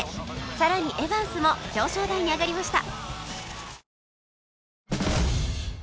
さらにエバンスも表彰台に上がりました